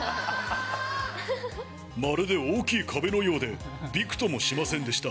まるで大きい壁のようで、びくともしませんでした。